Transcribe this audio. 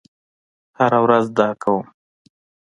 هره ورځ دا کوم